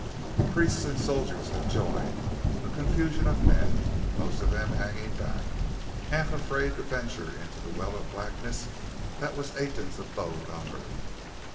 Priests and soldiers had joined, a confusion of men, most of them hanging back, half afraid to venture into the well of blackness that was Aten's abode on earth.